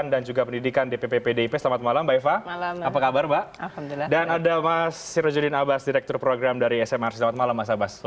dan ada mas sirojodin abbas direktur program dari smr selamat malam mas abbas